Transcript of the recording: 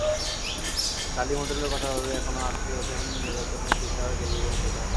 ডালিম হোটেলের কথা ভেবে এখনো আঁতকে ওঠেন নির্যাতনের শিকার জীবিত মুক্তিযোদ্ধারা।